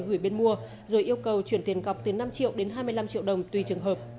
gửi bên mua rồi yêu cầu chuyển tiền cọc từ năm triệu đến hai mươi năm triệu đồng tùy trường hợp